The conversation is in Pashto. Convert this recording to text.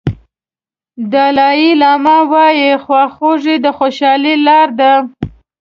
دالای لاما وایي خواخوږي د خوشالۍ لار ده.